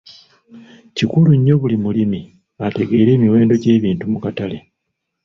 Kikulu nnyo buli mulimu ategeera emiwendo gy'ebintu mu katale.